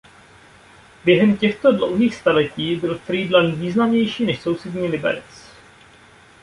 Během těchto dlouhých staletí byl Frýdlant významnější než sousední Liberec.